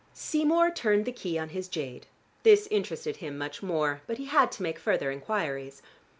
Seymour turned the key on his jade. This interested him much more. But he had to make further inquiries.